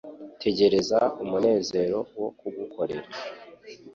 tegereza umunezero wo kugukorera